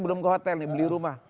belum ke hotel nih beli rumah